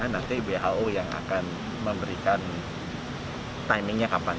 nanti who yang akan memberikan timingnya kapan